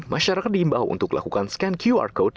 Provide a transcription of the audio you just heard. masyarakat diimbau untuk lakukan scan qr code